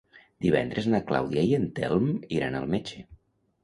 Divendres na Clàudia i en Telm iran al metge.